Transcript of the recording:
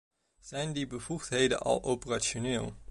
Zijn die bevoegdheden al operationeel?